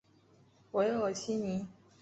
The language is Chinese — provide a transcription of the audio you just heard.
韦尔西尼。